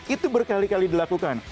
itu berkali kali dilakukan